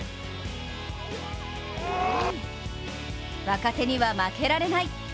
若手には負けられない。